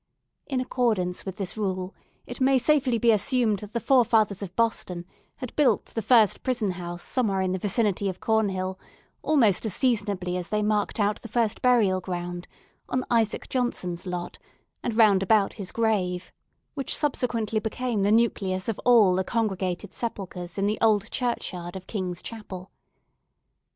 In accordance with this rule it may safely be assumed that the forefathers of Boston had built the first prison house somewhere in the vicinity of Cornhill, almost as seasonably as they marked out the first burial ground, on Isaac Johnson's lot, and round about his grave, which subsequently became the nucleus of all the congregated sepulchres in the old churchyard of King's Chapel.